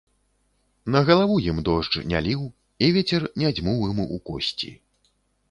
На галаву ім дождж не ліў, і вецер не дзьмуў ім у косці.